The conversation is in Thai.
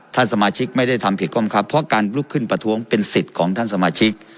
ท่านสมาชิกไม่ได้ทำผิดก้มครับเพราะการลุกขึ้นประท้วงเป็นสิทธิ์ของท่านสมาชิก